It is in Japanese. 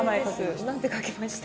なんて書きました？